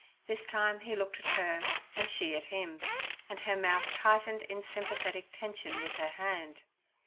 This time he looked at her and she at him, and her mouth tightened in sympathetic tension with her hand.